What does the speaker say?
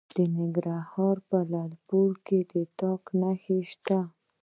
د ننګرهار په لعل پورې کې د تالک نښې شته.